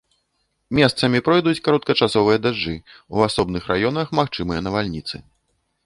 Месцамі пройдуць кароткачасовыя дажджы, у асобных раёнах магчымыя навальніцы.